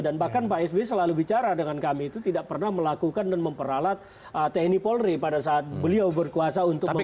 dan bahkan pak psb selalu bicara dengan kami itu tidak pernah melakukan dan memperalat tni polri pada saat beliau berkuasa untuk membangun